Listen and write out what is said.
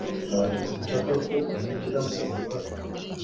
Sinshaka ko ubigiramo uruhare